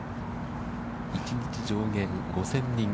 １日上限５０００人。